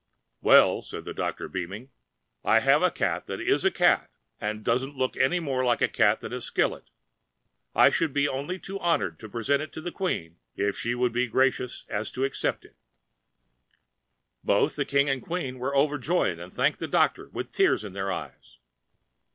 "Well," said the doctor, beaming, "I have a cat that is a cat and that doesn't look any more like a cat than a skillet, and I should be only too honoured to present it to the Queen if she would be so gracious as to accept it." Both the King and the Queen were overjoyed and thanked the doctor with tears in their eyes.